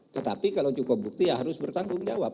tetapi kalau cukup bukti ya harus bertanggung jawab